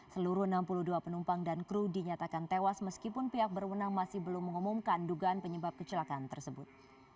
seluruh enam puluh dua penumpang dan kru dinyatakan tewas meskipun pihak berwenang masih belum mengumumkan dugaan penyebab kecelakaan tersebut